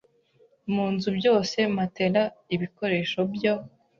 munzu byose Matelas ibikoresho byo